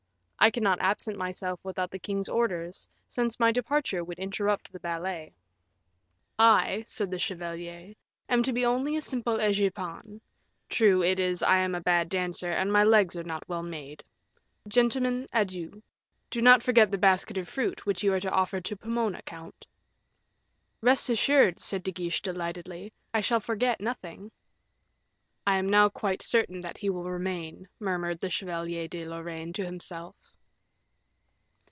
I cannot absent myself without the king's orders, since my departure would interrupt the ballet." "I," said the chevalier, "am to be only a simple egypan; true, it is, I am a bad dancer, and my legs are not well made. Gentlemen, adieu. Do not forget the basket of fruit, which you are to offer to Pomona, count." "Rest assured," said De Guiche, delightedly, "I shall forget nothing." "I am now quite certain that he will remain," murmured the Chevalier de Lorraine to himself.